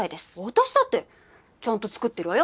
私だってちゃんと作ってるわよ！